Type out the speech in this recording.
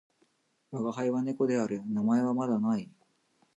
わがはいは猫である。名前はまだ無い。